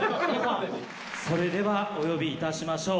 それではお呼びいたしましょう。